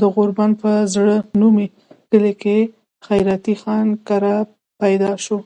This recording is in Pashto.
د غوربند پۀ زړه نومي کلي د خېراتي خان کره پيدا شو